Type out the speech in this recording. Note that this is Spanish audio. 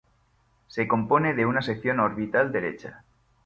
Se compone de una sección orbital derecha.